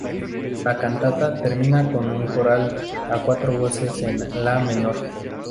La cantata termina con un coral a cuatro voces en "la" menor.